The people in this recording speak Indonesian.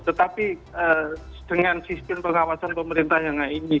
tetapi dengan sistem pengawasan pemerintah yang ini